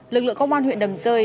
lực lượng công an huyện đầm rơi